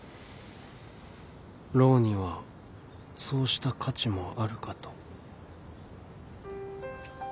ローにはそうした価値もあるかと。